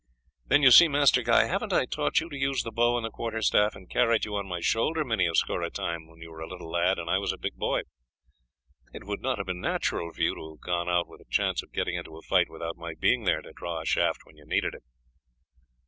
Then you see, Master Guy, haven't I taught you to use the bow and the quarter staff, and carried you on my shoulder many a score of times when you were a little lad and I was a big boy? It would not have been natural for you to have gone out with a chance of getting into a fight without my being there to draw a shaft when you needed it.